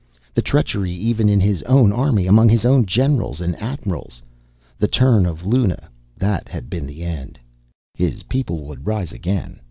The treachery even in his own army, among his own generals and admirals. The turn of Luna, that had been the end. His people would rise again.